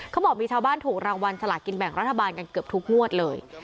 เขาบอกมีชาวบ้านถูกรางวัลสลากินแบ่งรัฐบาลกันเกือบทุกงวดเลย